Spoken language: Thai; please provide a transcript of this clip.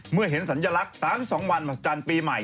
เมื่อเห็นสัญลักษณ์๓๒วันมหัศจรรย์ปีใหม่